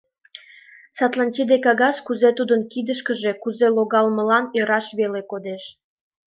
Садлан тиде кагаз кузе тудын кидышкыже кузе логалмылан ӧрмаш веле кодеш.